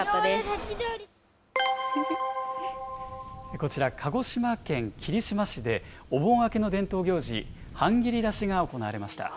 こちら、鹿児島県霧島市で、お盆明けの伝統行事、ハンギリ出しが行われました。